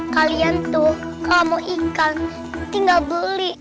kalian tuh kalau mau ikan tinggal beli